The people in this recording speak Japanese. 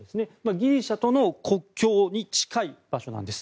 ギリシャとの国境に近い場所なんです。